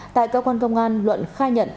tại cơ quan công an luận khai nhận